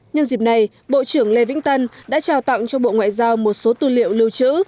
nhân dịp này bộ trưởng lê vĩnh tân đã trao tặng cho bộ ngoại giao một số tư liệu lưu trữ